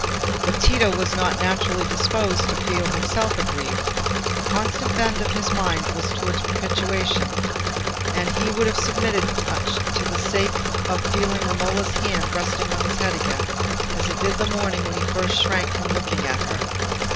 But Tito was not naturally disposed to feel himself aggrieved; the constant bent of his mind was towards propitiation, and he would have submitted to much for the sake of feeling Romola's hand resting on his head again, as it did that morning when he first shrank from looking at her.